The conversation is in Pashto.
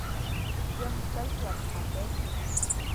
بیا مسکی شو او په خندا شو.